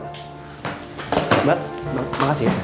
oke saya kesana sekarang ya pak terima kasih banyak pak